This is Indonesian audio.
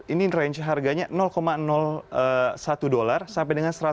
ini range harganya satu dollar sampai dengan seratus dollar